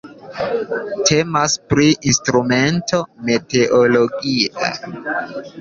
Temas pri instrumento meteologia.